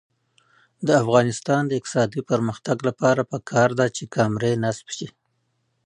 د افغانستان د اقتصادي پرمختګ لپاره پکار ده چې کامرې نصب شي.